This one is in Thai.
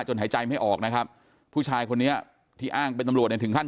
หายใจไม่ออกนะครับผู้ชายคนนี้ที่อ้างเป็นตำรวจเนี่ยถึงขั้น